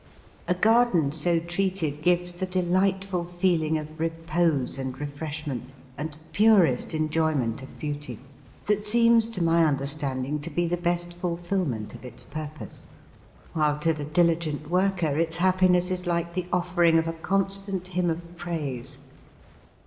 A garden so treated gives the delightful feeling of repose, and refreshment, and purest enjoyment of beauty, that seems to my understanding to be the best fulfilment of its purpose; while to the diligent worker its happiness is like the offering of a constant hymn of praise.